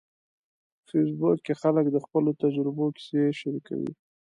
په فېسبوک کې خلک د خپلو تجربو کیسې شریکوي.